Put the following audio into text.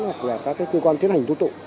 hoặc là các cơ quan tiến hành tố tụ